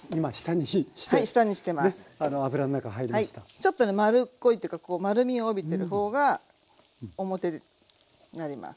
ちょっと丸っこいというかこう丸みを帯びてる方が表になります。